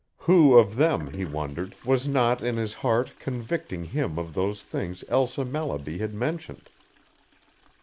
Who of them, he wondered, was not, in his heart, convicting him of those things Elsa Mallaby had mentioned?